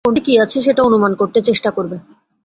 কোনটিতে কী আছে সেটা অনুমান করতে চেষ্টা করবে।